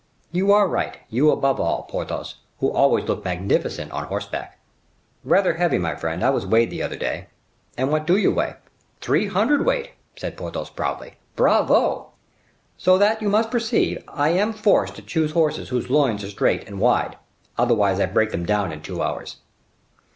"You are right; you above all, Porthos, who always look magnificent on horseback." "Rather heavy, my friend; I was weighed the other day." "And what do you weigh?" "Three hundred weight!" said Porthos, proudly. "Bravo!" "So that you must perceive, I am forced to choose horses whose loins are straight and wide, otherwise I break them down in two hours."